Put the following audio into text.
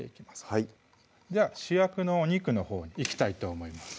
はいじゃあ主役のお肉のほうにいきたいと思います